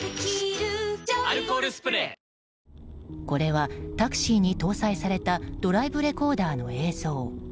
これはタクシーに搭載されたドライブレコーダーの映像。